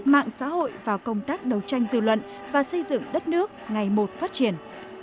mạng xã hội vào công tác đấu tranh dư luận và xây dựng đất nước ngày một phát triển